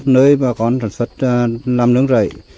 nơi bà con sản xuất làm nướng rảy